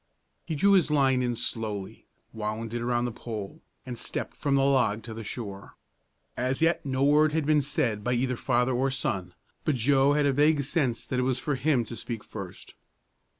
He drew his line in slowly, wound it about the pole, and stepped from the log to the shore. As yet no word had been said by either father or son, but Joe had a vague sense that it was for him to speak first.